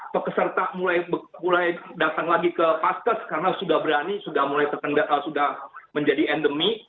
pekeserta mulai datang lagi ke paskes karena sudah berani sudah mulai terkendal sudah menjadi endemi